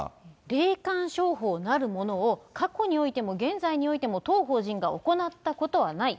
霊感商法なるものを過去においても現在においても当法人が行ったことはない。